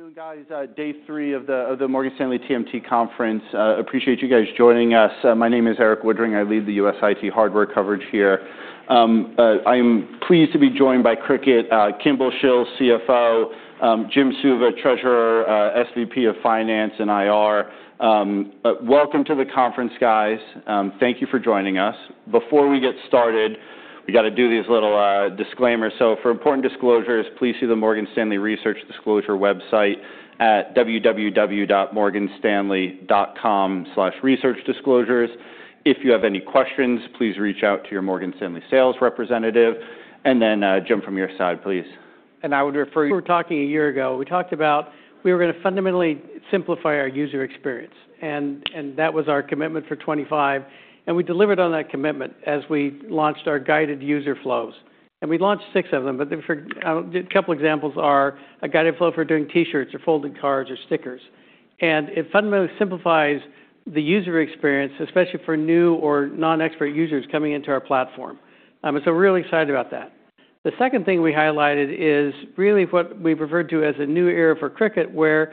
Good afternoon, guys. Day three of the Morgan Stanley TMT Conference. Appreciate you guys joining us. My name is Erik Woodring. I lead the U.S. IT hardware coverage here. I'm pleased to be joined by Cricut, Kimball Shill, CFO, Jim Suva, Treasurer, SVP of Finance and IR. Welcome to the conference, guys. Thank you for joining us. Before we get started, we gotta do these little disclaimers. For important disclosures, please see the Morgan Stanley Research Disclosure website at www.morganstanley.com/researchdisclosures. If you have any questions, please reach out to your Morgan Stanley sales representative. And Jim, from your side, please. And I will do it for... We were talking a year ago, we talked about we were gonna fundamentally simplify our user experience, and that was our commitment for 2025, and we delivered on that commitment as we launched our Guided Flows. We launched six of them, but they're for a couple examples are a guided flow for doing T-shirts or folding cards or stickers. It fundamentally simplifies the user experience, especially for new or non-expert users coming into our platform. We're really excited about that. The second thing we highlighted is really what we referred to as a new era for Cricut, where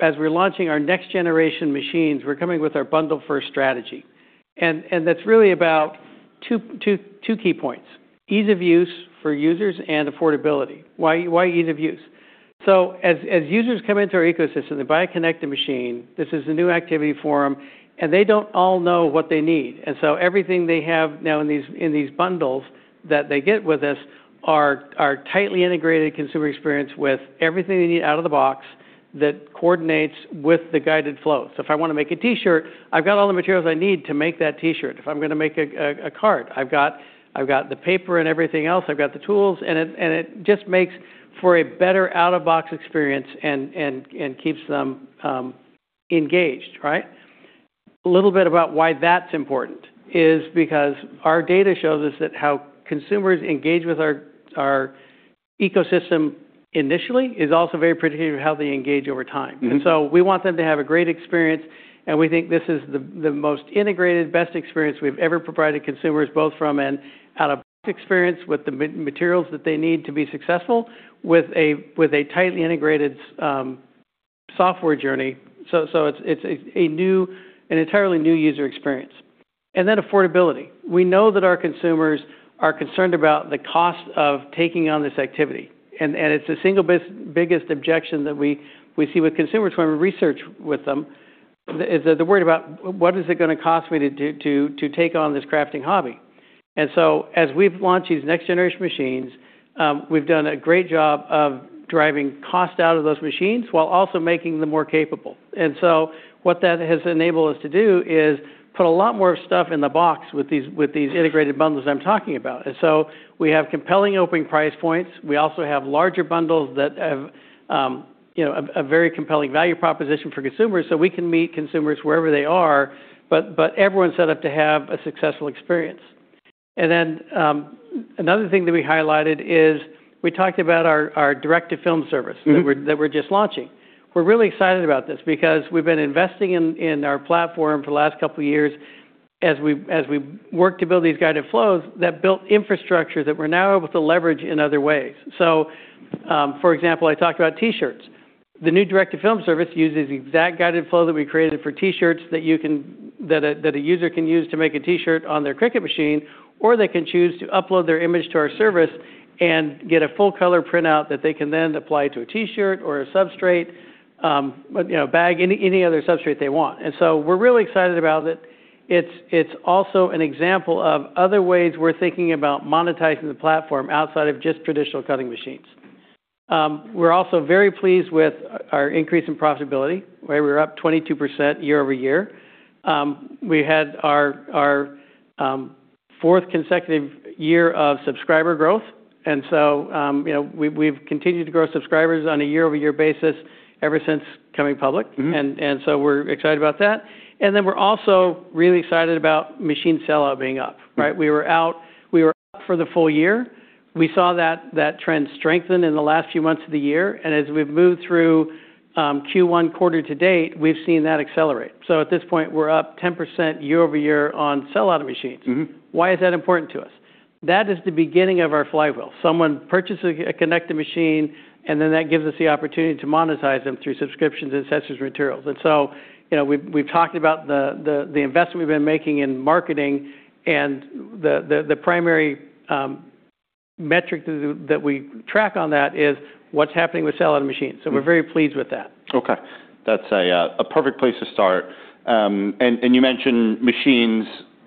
as we're launching our next generation machines, we're coming with our bundle first strategy. That's really about two key points, ease of use for users and affordability. Why ease of use? As users come into our ecosystem, they buy a connected machine, this is a new activity forum, and they don't all know what they need. Everything they have now in these bundles that they get with us are tightly integrated consumer experience with everything they need out of the box that coordinates with the Guided Flow. If I wanna make a T-shirt, I've got all the materials I need to make that T-shirt. If I'm gonna make a card, I've got the paper and everything else, I've got the tools, and it just makes for a better out-of-box experience and keeps them engaged, right? A little bit about why that's important is because our data shows us that how consumers engage with our ecosystem initially is also very predictive of how they engage over time. Mm-hmm. We want them to have a great experience, and we think this is the most integrated, best experience we've ever provided consumers, both from an out-of-box experience with the materials that they need to be successful with a, with a tightly integrated software journey. It's an entirely new user experience. Affordability. We know that our consumers are concerned about the cost of taking on this activity, and it's the single biggest objection that we see with consumers when we research with them, that they're worried about, what is it gonna cost me to do, to take on this crafting hobby? As we've launched these next generation machines, we've done a great job of driving cost out of those machines while also making them more capable. What that has enabled us to do is put a lot more stuff in the box with these integrated bundles I'm talking about. We have compelling opening price points. We also have larger bundles that have, you know, a very compelling value proposition for consumers, so we can meet consumers wherever they are, but everyone's set up to have a successful experience. Another thing that we highlighted is we talked about our Direct to Film service- Mm-hmm... that we're just launching. We're really excited about this because we've been investing in our platform for the last couple years as we work to build these Guided Flows that built infrastructure that we're now able to leverage in other ways. For example, I talked about T-shirts. The new Direct to Film service uses the exact Guided Flow that we created for T-shirts that a user can use to make a T-shirt on their Cricut machine, or they can choose to upload their image to our service and get a full color printout that they can then apply to a T-shirt or a substrate, you know, bag, any other substrate they want. We're really excited about it. It's also an example of other ways we're thinking about monetizing the platform outside of just traditional cutting machines. We're also very pleased with our increase in profitability, where we're up 22% year-over-year. We had our fourth consecutive year of subscriber growth. You know, we've continued to grow subscribers on a year-over-year basis ever since coming public. Mm-hmm. We're excited about that. We're also really excited about machine sellout being up, right? We were up for the full year. We saw that trend strengthen in the last few months of the year. As we've moved through Q1 quarter to date, we've seen that accelerate. At this point, we're up 10% year-over-year on sellout of machines. Mm-hmm. Why is that important to us? That is the beginning of our flywheel. Someone purchases a connected machine, and then that gives us the opportunity to monetize them through subscriptions and accessories materials. You know, we've talked about the investment we've been making in marketing and the primary metric that we track on that is what's happening with sellout of machines. Mm-hmm. We're very pleased with that. Okay. That's a perfect place to start. You mentioned machines.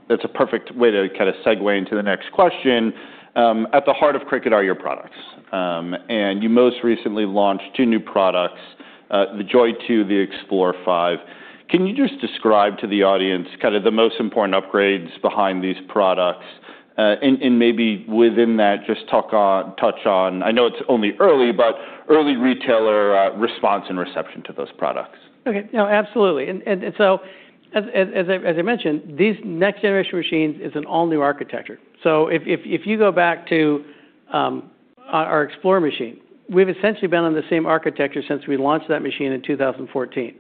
That's a perfect way to kind of segue into the next question. At the heart of Cricut are your products. You most recently launched two new products, the Joy 2, the Explore 5. Can you just describe to the audience kind of the most important upgrades behind these products? Maybe within that, just talk on, touch on, I know it's only early, but early retailer, response and reception to those products. Okay. No, absolutely. As I mentioned, these next generation machines is an all-new architecture. If you go back to our Cricut Explore machine, we've essentially been on the same architecture since we launched that machine in 2014.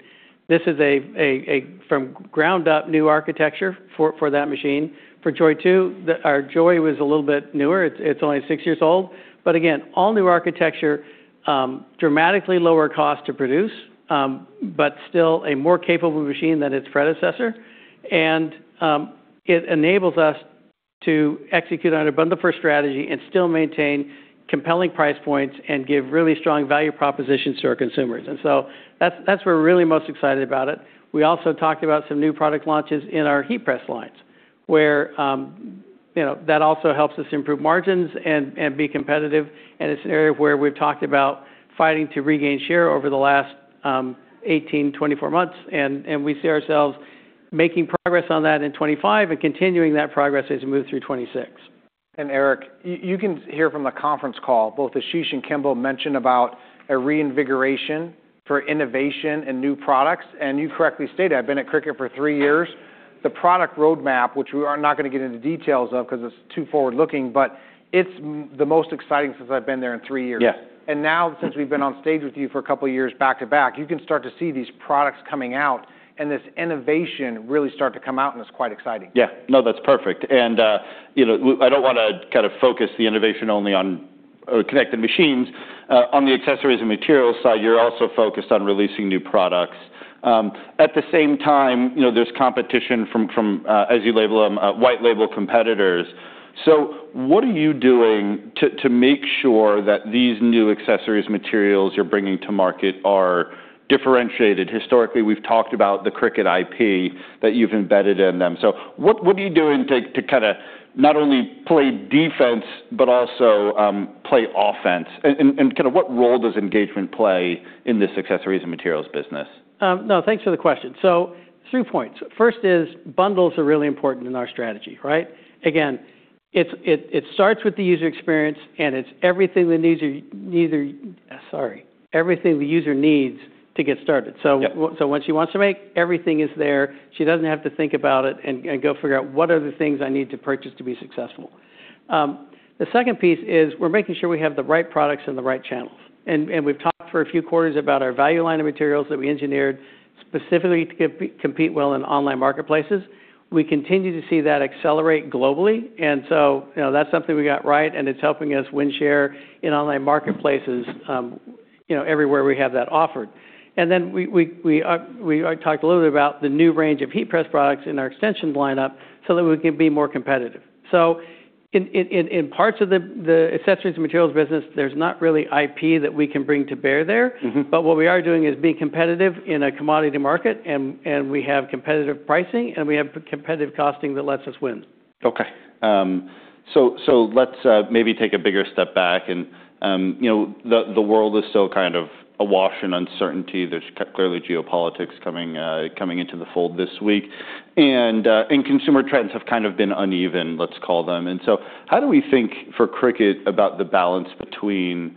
This is a from ground up new architecture for that machine. For Cricut Joy 2, our Cricut Joy was a little bit newer. It's only six years old. Again, all new architecture, dramatically lower cost to produce, but still a more capable machine than its predecessor. It enables us to execute on a bundle first strategy and still maintain compelling price points and give really strong value propositions to our consumers. That's where we're really most excited about it. We also talked about some new product launches in our heat press lines, where, you know, that also helps us improve margins and be competitive. It's an area where we've talked about fighting to regain share over the last 18, 24 months. We see ourselves making progress on that in 2025 and continuing that progress as we move through 2026. Erik, you can hear from the conference call, both Ashish Arora and Kimball mentioned about a reinvigoration for innovation and new products. You correctly stated, I've been at Cricut for three years. The product roadmap, which we are not gonna get into details of because it's too forward-looking, but it's the most exciting since I've been there in three years. Yes. Now since we've been on stage with you for a couple of years back-to-back, you can start to see these products coming out and this innovation really start to come out, and it's quite exciting. Yeah. No, that's perfect. You know, I don't wanna kind of focus the innovation only on connected machines. On the accessories and materials side, you're also focused on releasing new products. At the same time, you know, there's competition from, as you label them, white label competitors. What are you doing to make sure that these new accessories materials you're bringing to market are differentiated? Historically, we've talked about the Cricut IP that you've embedded in them. What are you doing to kinda not only play defense but also play offense? Kinda what role does engagement play in this accessories and materials business? Thanks for the question. Three points. First is bundles are really important in our strategy, right? It starts with the user experience. It's everything the user. Sorry. Everything the user needs to get started. Yeah. When she wants to make, everything is there. She doesn't have to think about it and go figure out what are the things I need to purchase to be successful. The second piece is we're making sure we have the right products and the right channels. We've talked for a few quarters about our value line of materials that we engineered specifically to compete well in online marketplaces. We continue to see that accelerate globally. You know, that's something we got right, and it's helping us win share in online marketplaces, you know, everywhere we have that offered. I talked a little bit about the new range of heat press products in our extensions lineup so that we can be more competitive. In parts of the accessories and materials business, there's not really IP that we can bring to bear there. Mm-hmm. What we are doing is being competitive in a commodity market, and we have competitive pricing, and we have competitive costing that lets us win. Okay. Let's maybe take a bigger step back and, you know, the world is still kind of awash in uncertainty. There's clearly geopolitics coming into the fold this week. Consumer trends have kind of been uneven, let's call them. How do we think for Cricut about the balance between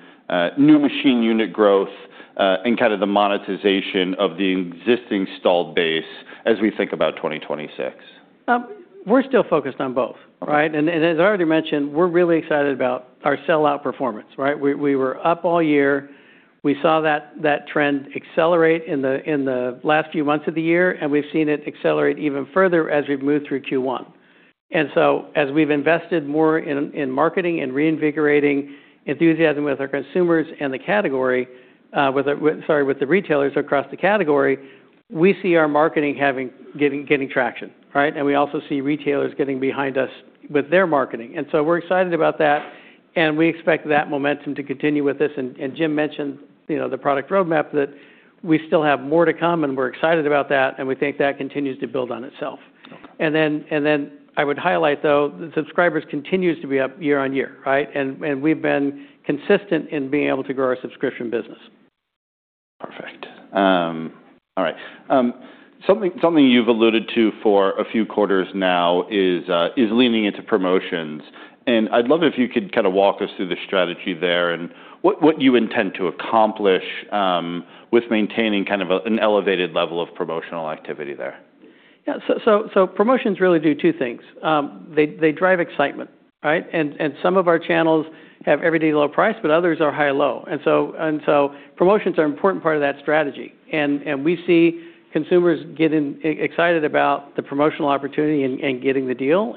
new machine unit growth and kind of the monetization of the existing installed base as we think about 2026? We're still focused on both, right? Okay. As I already mentioned, we're really excited about our sellout performance, right? We were up all year. We saw that trend accelerate in the last few months of the year, and we've seen it accelerate even further as we've moved through Q1. As we've invested more in marketing and reinvigorating enthusiasm with our consumers and the category, sorry, with the retailers across the category, we see our marketing having getting traction, right? We also see retailers getting behind us with their marketing. We're excited about that, and we expect that momentum to continue with this. Jim mentioned, you know, the product roadmap, that we still have more to come, we're excited about that, and we think that continues to build on itself. Okay. I would highlight, though, the subscribers continues to be up year-over-year, right? We've been consistent in being able to grow our subscription business. Perfect. All right. Something you've alluded to for a few quarters now is leaning into promotions. I'd love it if you could kind of walk us through the strategy there and what you intend to accomplish with maintaining kind of a, an elevated level of promotional activity there. Promotions really do two things. They drive excitement, right? Some of our channels have everyday low price, but others are high or low. Promotions are an important part of that strategy. We see consumers getting excited about the promotional opportunity and getting the deal.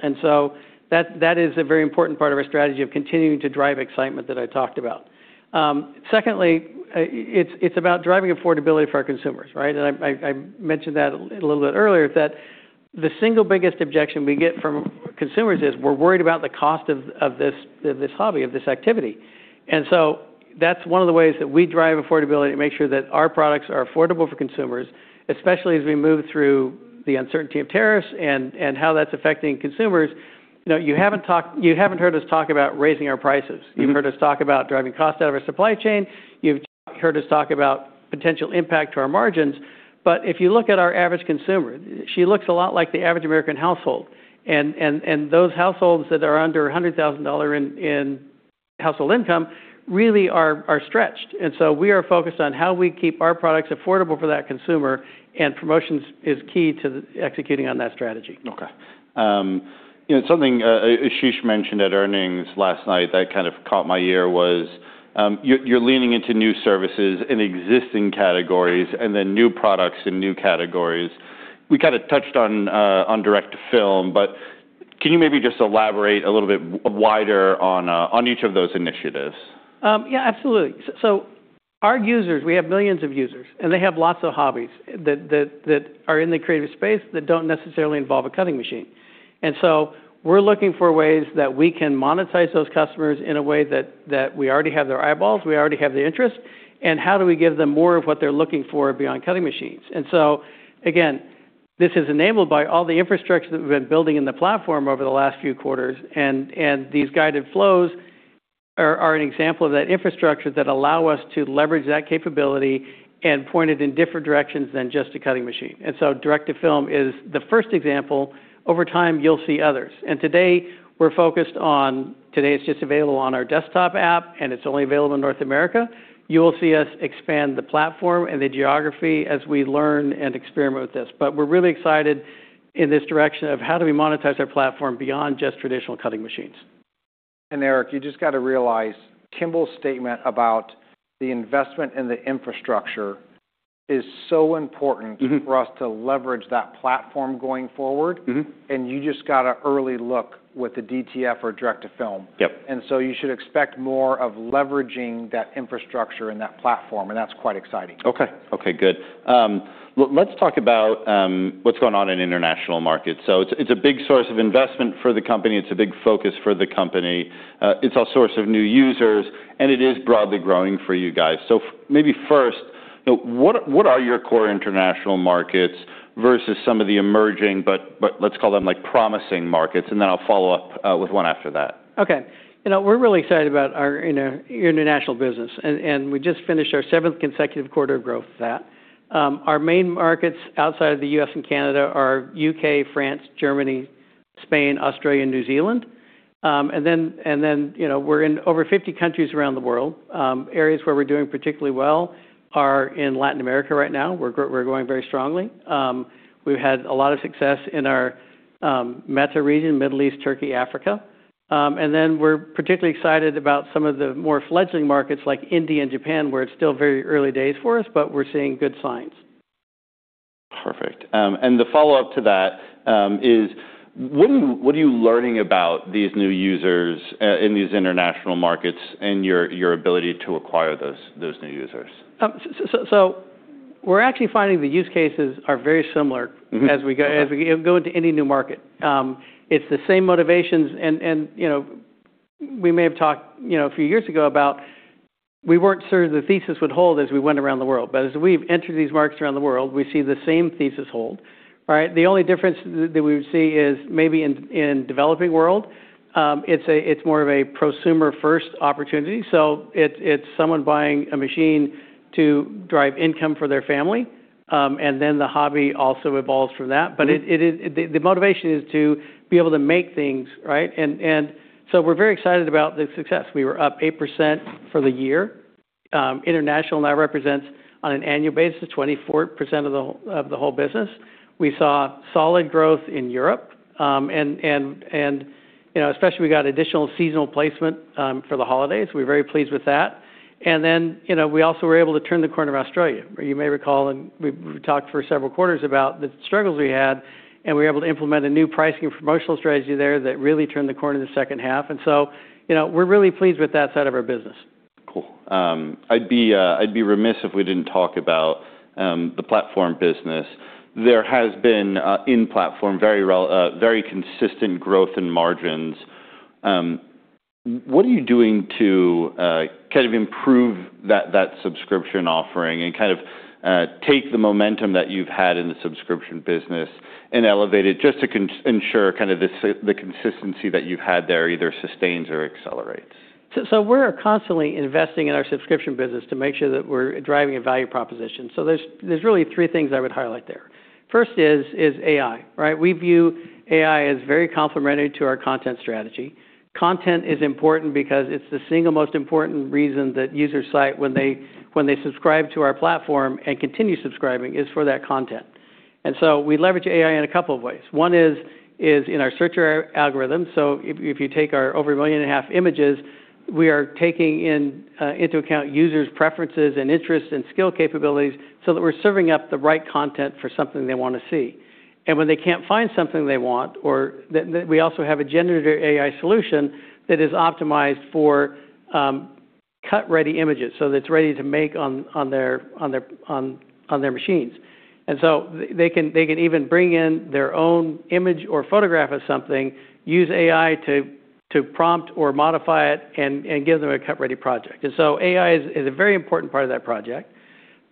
That is a very important part of our strategy of continuing to drive excitement that I talked about. Secondly, it's about driving affordability for our consumers, right? I mentioned that a little bit earlier, that the single biggest objection we get from consumers is we're worried about the cost of this hobby, of this activity. That's one of the ways that we drive affordability to make sure that our products are affordable for consumers, especially as we move through the uncertainty of tariffs and how that's affecting consumers. You know, you haven't heard us talk about raising our prices. Mm-hmm. You've heard us talk about driving costs out of our supply chain. You've heard us talk about potential impact to our margins. If you look at our average consumer, she looks a lot like the average American household. Those households that are under $100,000 in household income really are stretched. We are focused on how we keep our products affordable for that consumer, and promotions is key to executing on that strategy. Okay. you know, something Ashish mentioned at earnings last night that kind of caught my ear was, you're leaning into new services in existing categories and then new products in new categories. We kind of touched on Direct to Film, can you maybe just elaborate a little bit wider on each of those initiatives? Yeah, absolutely. Our users, we have millions of users, and they have lots of hobbies that are in the creative space that don't necessarily involve a cutting machine. We're looking for ways that we can monetize those customers in a way that we already have their eyeballs, we already have the interest, and how do we give them more of what they're looking for beyond cutting machines? Again, this is enabled by all the infrastructure that we've been building in the platform over the last few quarters, and these Guided Flows are an example of that infrastructure that allow us to leverage that capability and point it in different directions than just a cutting machine. Direct to Film is the first example. Over time, you'll see others. Today we're focused on... Today, it's just available on our desktop app, and it's only available in North America. You will see us expand the platform and the geography as we learn and experiment with this. We're really excited in this direction of how do we monetize our platform beyond just traditional cutting machines. Erik, you just got to realize Kimball's statement about the investment in the infrastructure is so important- Mm-hmm. ...for us to leverage that platform going forward- Mm-hmm. ...you just got a early look with the DTF or Direct to Film. Yep. You should expect more of leveraging that infrastructure and that platform, and that's quite exciting. Okay, good. Let's talk about what's going on in international markets. It's a big source of investment for the company, it's a big focus for the company, it's all source of new users, and it is broadly growing for you guys. Maybe first, what are your core international markets versus some of the emerging, but let's call them, like, promising markets? Then I'll follow up with one after that. Okay. You know, we're really excited about our inter-international business, and we just finished our seventh consecutive quarter of growth with that. Our main markets outside of the U.S. and Canada are U.K., France, Germany, Spain, Australia, and New Zealand. You know, we're in over 50 countries around the world. Areas where we're doing particularly well are in Latin America right now. We're growing very strongly. We've had a lot of success in our META region, Middle East, Turkey, Africa. We're particularly excited about some of the more fledgling markets like India and Japan, where it's still very early days for us, but we're seeing good signs. Perfect. The follow-up to that, is what are you learning about these new users, in these international markets and your ability to acquire those new users? We're actually finding the use cases are very similar. Mm-hmm. As we go into any new market. It's the same motivations, and, you know, we may have talked, you know, a few years ago about we weren't sure the thesis would hold as we went around the world. As we've entered these markets around the world, we see the same thesis hold, right? The only difference that we see is maybe in developing world, it's more of a prosumer first opportunity. It's someone buying a machine to drive income for their family, and then the hobby also evolves from that. Mm-hmm. The motivation is to be able to make things, right? We're very excited about the success. We were up 8% for the year, international, and that represents, on an annual basis, 24% of the whole, of the whole business. We saw solid growth in Europe. You know, especially we got additional seasonal placement for the holidays. We're very pleased with that. You know, we also were able to turn the corner of Australia, where you may recall, and we've talked for several quarters about the struggles we had, and we were able to implement a new pricing promotional strategy there that really turned the corner in the second half. You know, we're really pleased with that side of our business. Cool. I'd be remiss if we didn't talk about the platform business. There has been in platform, very consistent growth in margins. What are you doing to kind of improve that subscription offering and kind of take the momentum that you've had in the subscription business and elevate it just to ensure kind of the consistency that you've had there either sustains or accelerates? We're constantly investing in our subscription business to make sure that we're driving a value proposition. There's really three things I would highlight there. First is AI, right? We view AI as very complementary to our content strategy. Content is important because it's the single most important reason that users cite when they subscribe to our platform and continue subscribing is for that content. And so we leverage AI in a couple of ways. One is in our search algorithm. If you take our over 1.5 million images, we are taking into account users' preferences and interests and skill capabilities so that we're serving up the right content for something they wanna see. When they can't find something they want or... We also have a generator AI solution that is optimized for cut-ready images, so that's ready to make on their machines. They can even bring in their own image or photograph of something, use AI to prompt or modify it, and give them a cut-ready project. AI is a very important part of that project.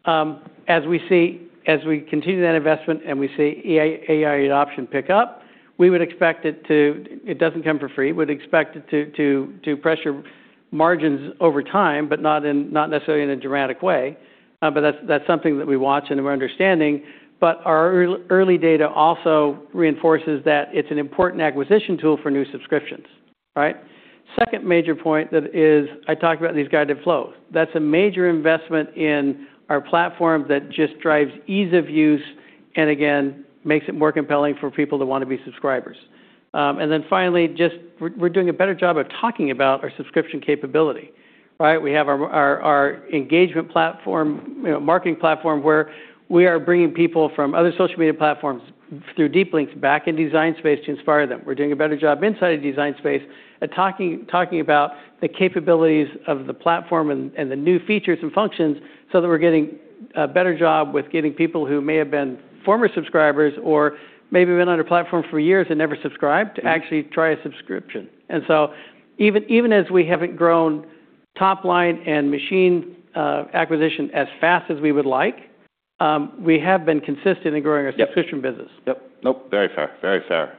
As we see, as we continue that investment and we see AI adoption pick up, we would expect it to. It doesn't come for free. We'd expect it to pressure margins over time, but not necessarily in a dramatic way. That's something that we watch and we're understanding. Our early data also reinforces that it's an important acquisition tool for new subscriptions, right? Second major point that is, I talked about these Guided Flows. That's a major investment in our platform that just drives ease of use and again, makes it more compelling for people to wanna be subscribers. Then finally, just we're doing a better job of talking about our subscription capability. Right? We have our engagement platform, you know, marketing platform, where we are bringing people from other social media platforms through deep links back into Design Space to inspire them. We're doing a better job inside of Design Space at talking about the capabilities of the platform and the new features and functions so that we're getting a better job with getting people who may have been former subscribers or maybe been on our platform for years and never subscribed to actually try a subscription. Even as we haven't grown top line and machine acquisition as fast as we would like, we have been consistent in growing our- Yep. ...subscription business. Yep. Nope. Very fair. Very fair.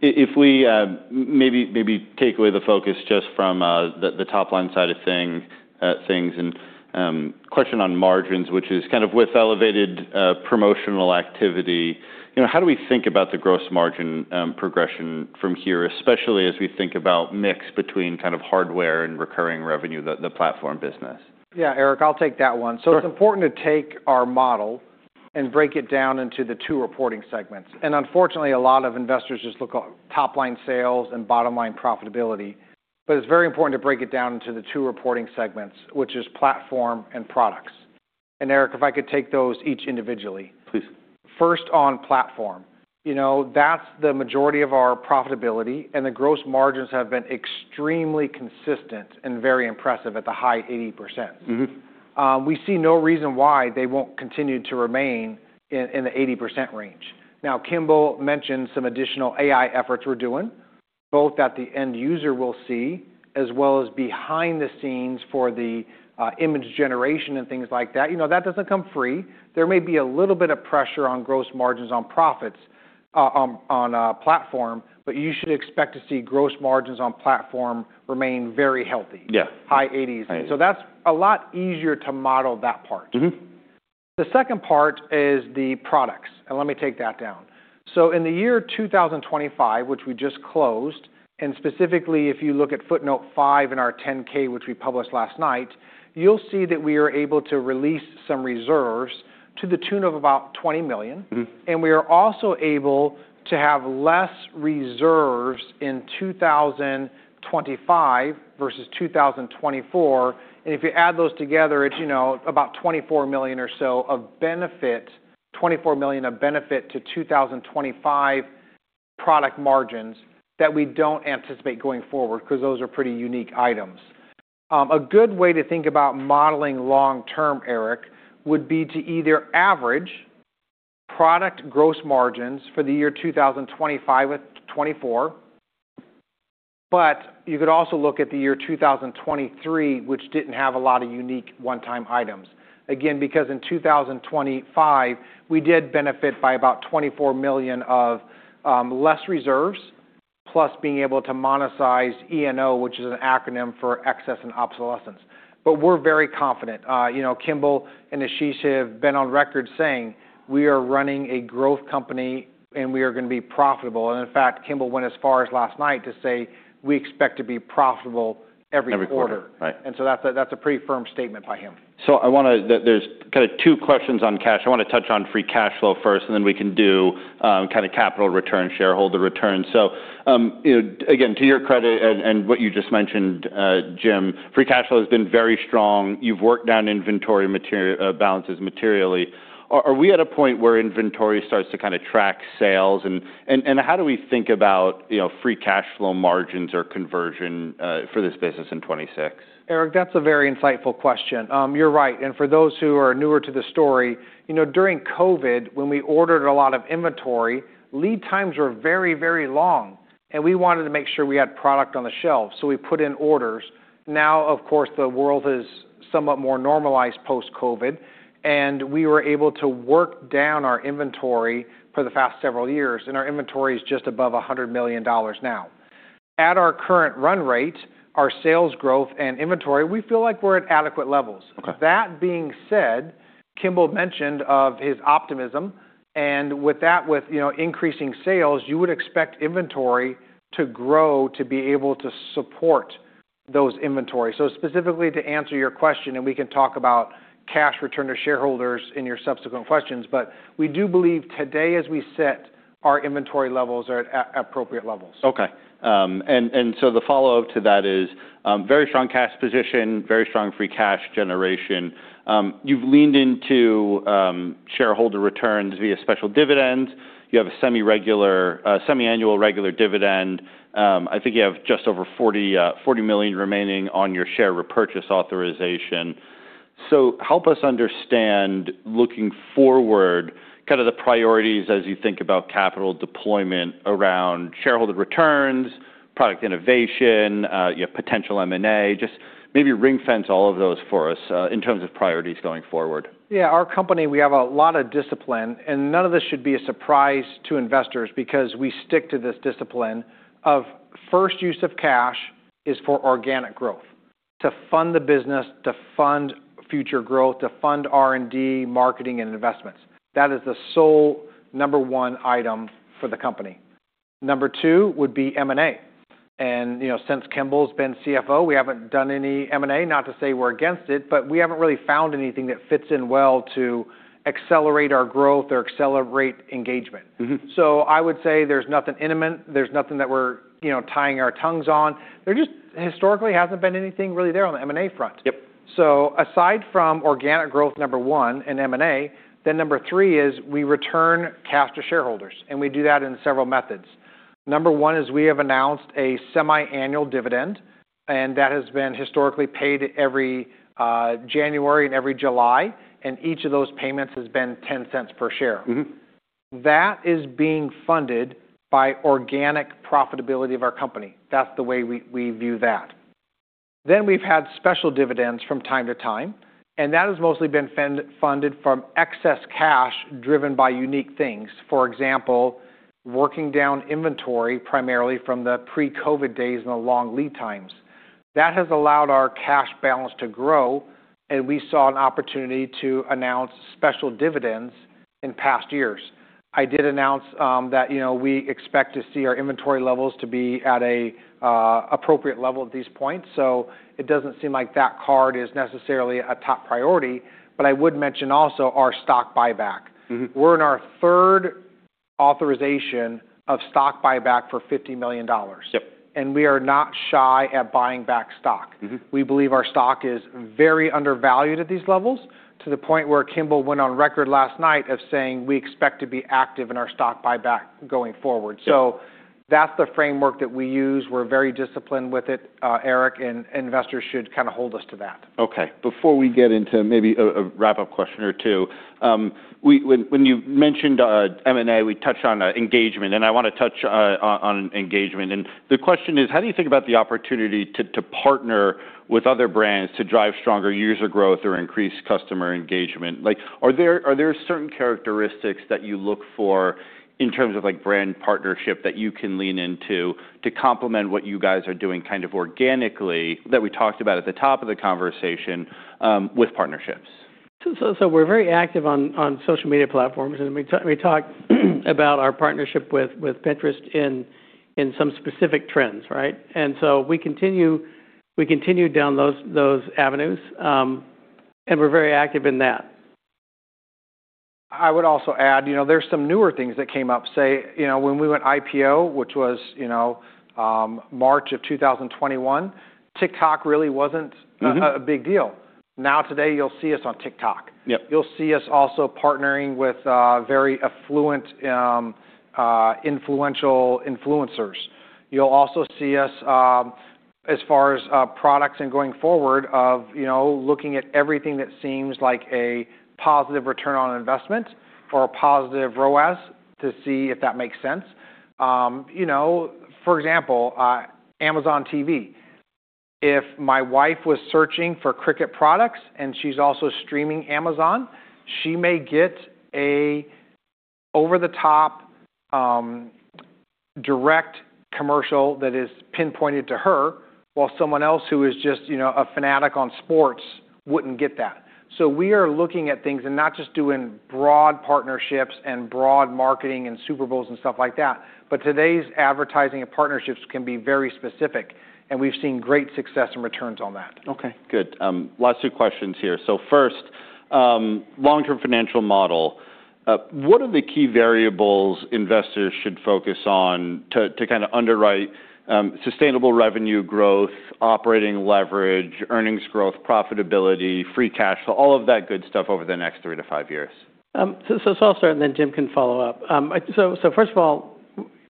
If we maybe take away the focus just from the top line side of things, question on margins, which is kind of with elevated promotional activity, you know, how do we think about the gross margin progression from here, especially as we think about mix between kind of hardware and recurring revenue, the platform business? Yeah, Erik, I'll take that one. Sure. It's important to take our model and break it down into the two reporting segments. Unfortunately, a lot of investors just look on top line sales and bottom line profitability. It's very important to break it down into the two reporting segments, which is platform and products. Erik, if I could take those each individually. Please. First on platform. You know, that's the majority of our profitability. The gross margins have been extremely consistent and very impressive at the high 80%. Mm-hmm. We see no reason why they won't continue to remain in the 80% range. Now, Kimball mentioned some additional AI efforts we're doing, both that the end user will see as well as behind the scenes for the image generation and things like that. You know, that doesn't come free. There may be a little bit of pressure on gross margins on profits on platform, but you should expect to see gross margins on platform remain very healthy. Yeah. High 80s. Right. That's a lot easier to model that part. Mm-hmm. The second part is the products, and let me take that down. In the year 2025, which we just closed, and specifically if you look at footnote 5 in our Form 10-K, which we published last night, you'll see that we are able to release some reserves to the tune of about $20 million. Mm-hmm. We are also able to have less reserves in 2025 versus 2024, and if you add those together, it's, you know, about $24 million or so of benefit, $24 million of benefit to 2025 product margins that we don't anticipate going forward, 'cause those are pretty unique items. A good way to think about modeling long-term, Erik, would be to either average product gross margins for the year 2025 with 2024, but you could also look at the year 2023, which didn't have a lot of unique one-time items. Again, because in 2025, we did benefit by about $24 million of less reserves, plus being able to monetize E&O, which is an acronym for Excess and Obsolescence. We're very confident. You know, Kimball and Ashish have been on record saying, "We are running a growth company, and we are gonna be profitable." In fact, Kimball went as far as last night to say, "We expect to be profitable every quarter. Every quarter. Right. That's a pretty firm statement by him. I wanna-- There's kinda two questions on cash. I wanna touch on free cash flow first, and then we can do, kinda capital return, shareholder return. You know, again, to your credit and what you just mentioned, Jim, free cash flow has been very strong. You've worked down inventory balances materially. Are we at a point where inventory starts to kinda track sales, and how do we think about, you know, free cash flow margins or conversion, for this business in 2026? Erik, that's a very insightful question. You're right, and for those who are newer to the story, you know, during COVID, when we ordered a lot of inventory, lead times were very, very long, and we wanted to make sure we had product on the shelves, so we put in orders. Of course, the world is somewhat more normalized post-COVID, and we were able to work down our inventory for the past several years, and our inventory is just above $100 million now. At our current run rate, our sales growth and inventory, we feel like we're at adequate levels. Okay. That being said, Kimball mentioned of his optimism, with that, with, you know, increasing sales, you would expect inventory to grow to be able to support those inventory. Specifically to answer your question, we can talk about cash return to shareholders in your subsequent questions, we do believe today as we sit, our inventory levels are at appropriate levels. Okay. The follow-up to that is very strong cash position, very strong free cash generation. You've leaned into shareholder returns via special dividends. You have a semi-annual regular dividend. I think you have just over $40 million remaining on your share repurchase authorization. Help us understand, looking forward, kind of the priorities as you think about capital deployment around shareholder returns, product innovation, you know, potential M&A. Just maybe ring-fence all of those for us in terms of priorities going forward. Yeah. Our company, we have a lot of discipline, and none of this should be a surprise to investors because we stick to this discipline of first use of cash is for organic growth, to fund the business, to fund future growth, to fund R&D, marketing, and investments. That is the sole number one item for the company. Number two would be M&A. You know, since Kimball's been CFO, we haven't done any M&A. Not to say we're against it, but we haven't really found anything that fits in well to accelerate our growth or accelerate engagement. Mm-hmm. I would say there's nothing intimate. There's nothing that we're, you know, tying our tongues on. There just historically hasn't been anything really there on the M&A front. Yep. Aside from organic growth, number one, M&A, number three is we return cash to shareholders. We do that in several methods. Number one is we have announced a semi-annual dividend. That has been historically paid every January and every July. Each of those payments has been $0.10 per share. Mm-hmm. That is being funded by organic profitability of our company. That's the way we view that. We've had special dividends from time to time, and that has mostly been funded from excess cash driven by unique things. For example, working down inventory primarily from the pre-COVID days and the long lead times. That has allowed our cash balance to grow, and we saw an opportunity to announce special dividends in past years. I did announce that, you know, we expect to see our inventory levels to be at a appropriate level at these points, so it doesn't seem like that card is necessarily a top priority. I would mention also our stock buyback. Mm-hmm. We're in our third authorization of stock buyback for $50 million. Yep. We are not shy at buying back stock. Mm-hmm. We believe our stock is very undervalued at these levels, to the point where Kimball went on record last night of saying we expect to be active in our stock buyback going forward. Yep. That's the framework that we use. We're very disciplined with it, Erik, and investors should kind of hold us to that. Okay. Before we get into maybe a wrap-up question or two, when you mentioned M&A, we touched on engagement, and I wanna touch on engagement. The question is: How do you think about the opportunity to partner with other brands to drive stronger user growth or increase customer engagement? Like, are there certain characteristics that you look for in terms of, like, brand partnership that you can lean into to complement what you guys are doing kind of organically that we talked about at the top of the conversation with partnerships? We're very active on social media platforms, and we talked about our partnership with Pinterest in some specific trends, right? We continue down those avenues, and we're very active in that. I would also add, you know, there's some newer things that came up, say, you know, when we went IPO, which was, you know, March of 2021, TikTok really wasn't- Mm-hmm... a big deal. Today, you'll see us on TikTok. Yep. You'll see us also partnering with, very affluent, influential influencers. You'll also see us, as far as, products and going forward of, you know, looking at everything that seems like a positive return on investment or a positive ROAS to see if that makes sense. You know, for example, Amazon TV. If my wife was searching for Cricut products and she's also streaming Amazon, she may get a over-the-top, direct commercial that is pinpointed to her while someone else who is just, you know, a fanatic on sports wouldn't get that. We are looking at things and not just doing broad partnerships and broad marketing and Super Bowls and stuff like that. Today's advertising and partnerships can be very specific, and we've seen great success and returns on that. Okay, good. Last two questions here. First, long-term financial model. What are the key variables investors should focus on to kind of underwrite, sustainable revenue growth, operating leverage, earnings growth, profitability, free cash flow, all of that good stuff over the next three to five years? I'll start, and then Jim can follow up. First of all,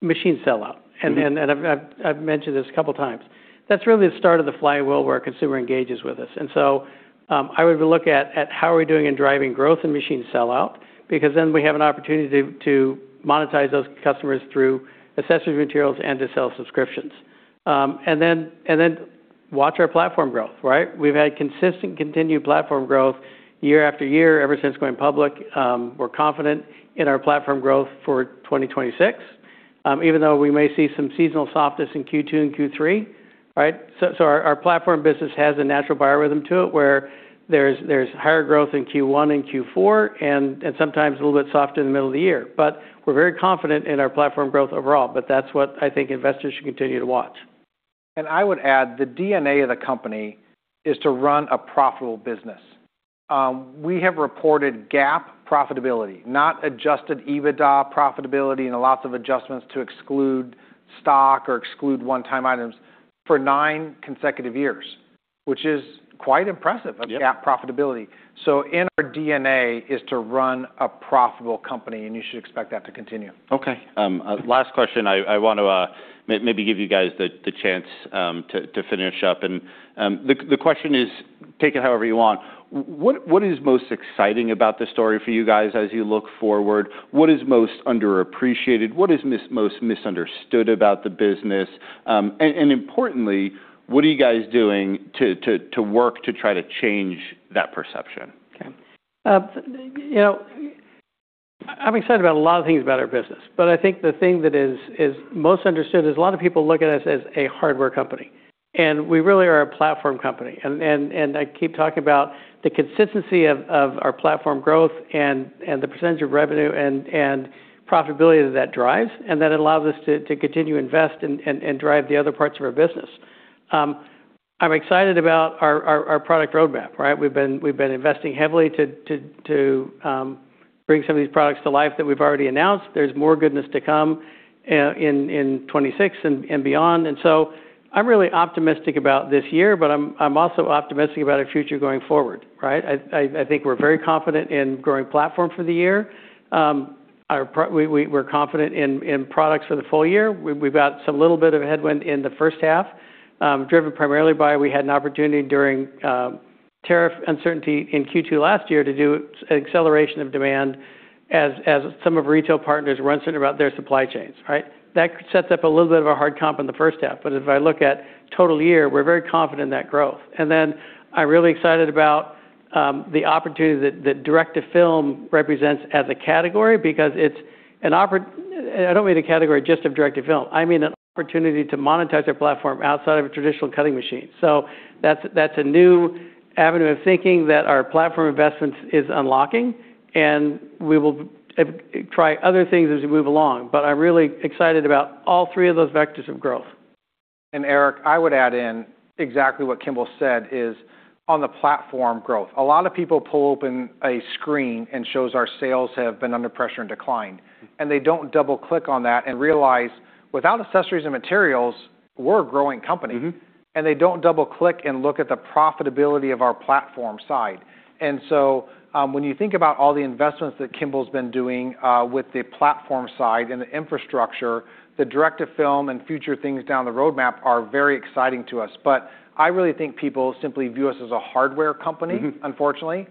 machine sell-out. Mm-hmm. I've mentioned this a couple times. That's really the start of the flywheel where a consumer engages with us. I would look at how are we doing in driving growth in machine sell-out because then we have an opportunity to monetize those customers through accessories materials and to sell subscriptions. Then watch our platform growth, right? We've had consistent continued platform growth year after year, ever since going public. We're confident in our platform growth for 2026, even though we may see some seasonal softness in Q2 and Q3, right? Our platform business has a natural biorhythm to it, where there's higher growth in Q1 and Q4 and sometimes a little bit softer in the middle of the year. We're very confident in our platform growth overall. That's what I think investors should continue to watch. I would add the DNA of the company is to run a profitable business. We have reported GAAP profitability, not adjusted EBITDA profitability and lots of adjustments to exclude stock or exclude one-time items for nine consecutive years, which is quite impressive- Yep... of GAAP profitability. In our DNA is to run a profitable company, and you should expect that to continue. Okay. Last question. I want to maybe give you guys the chance to finish up. The question is, take it however you want, what is most exciting about this story for you guys as you look forward? What is most underappreciated? What is most misunderstood about the business? Importantly, what are you guys doing to work to try to change that perception? Okay. you know, I'm excited about a lot of things about our business, but I think the thing that is most understood is a lot of people look at us as a hardware company. We really are a platform company. I keep talking about the consistency of our platform growth and the percentage of revenue and profitability that drives, and that allows us to continue to invest and drive the other parts of our business. I'm excited about our product roadmap, right? We've been investing heavily to bring some of these products to life that we've already announced. There's more goodness to come in 2026 and beyond. I'm really optimistic about this year, but I'm also optimistic about our future going forward, right? I think we're very confident in growing platform for the year. We're confident in products for the full year. We've got a little bit of a headwind in the first half, driven primarily by we had an opportunity during tariff uncertainty in Q2 last year to do an acceleration of demand as some of retail partners were uncertain about their supply chains, right? That sets up a little bit of a hard comp in the first half. If I look at total year, we're very confident in that growth. I'm really excited about the opportunity that Direct to Film represents as a category because it's an opportunity. I don't mean a category just of Direct to Film. I mean an opportunity to monetize our platform outside of a traditional cutting machine. That's, that's a new avenue of thinking that our platform investments is unlocking, and we will try other things as we move along. I'm really excited about all three of those vectors of growth. Erik, I would add in exactly what Kimball said is on the platform growth. A lot of people pull open a screen and shows our sales have been under pressure and declined. They don't double-click on that and realize without accessories and materials, we're a growing company. Mm-hmm. They don't double-click and look at the profitability of our platform side. When you think about all the investments that Kimball's been doing with the platform side and the infrastructure, the Direct to Film and future things down the roadmap are very exciting to us. I really think people simply view us as a hardware company- Mm-hmm... unfortunately,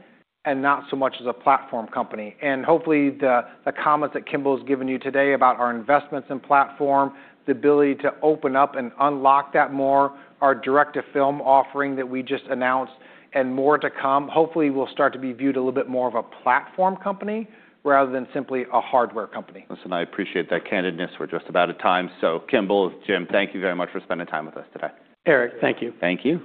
not so much as a platform company. Hopefully, the comments that Kimball has given you today about our investments in platform, the ability to open up and unlock that more, our Direct to Film offering that we just announced and more to come, hopefully we'll start to be viewed a little bit more of a platform company rather than simply a hardware company. Listen, I appreciate that candidness. We're just about at time. Kimball, Jim, thank you very much for spending time with us today. Erik, thank you. Thank you.